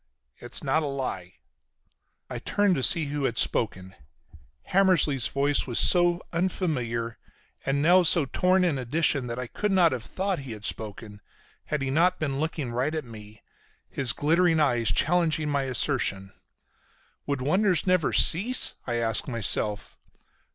It's not a lie." I turned to see who had spoken. Hammersly's voice was so unfamiliar and now so torn in addition that I could not have thought he had spoken, had he not been looking right at me, his glittering eyes challenging my assertion. Would wonders never cease? I asked myself.